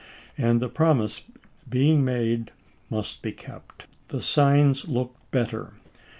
And the promise, being made, must be kept. The signs look better.